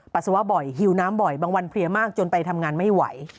ปัสสาวะบ่อยหิวน้ำบ่อยบางวันเพลียมากจนไปทำงานไม่ไหว